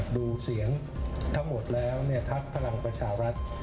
ดูเสียงทั้งหมดแล้วพักพลังประชารัฐ